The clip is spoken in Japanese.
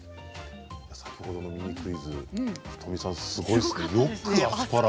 先ほどのミニクイズ仁美さん、よくアスパラ。